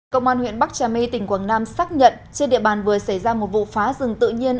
công an huyện bắc trà my tỉnh quảng nam xác nhận trên địa bàn vừa xảy ra một vụ phá rừng tự nhiên